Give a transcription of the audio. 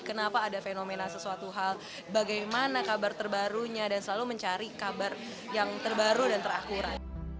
kenapa ada fenomena sesuatu hal bagaimana kabar terbarunya dan selalu mencari kabar yang terbaru dan terakuran